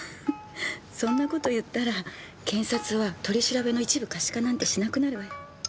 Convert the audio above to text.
そんな事言ったら検察は取り調べの一部可視化なんてしなくなるわよ。